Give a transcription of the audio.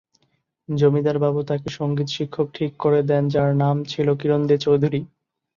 জমিদার বাবু তাকে সঙ্গীত শিক্ষক ঠিক করে দেন যার নাম ছিল কিরণ দে চৌধুরী।